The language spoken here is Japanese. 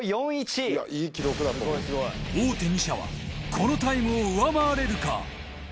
大手２社はこのタイムを上回れるか？